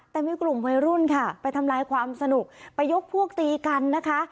แต่มีกลุ่มวัยรุ่นค่ะไปทำลายความสนุกไปยกพวกตีกันนะคะ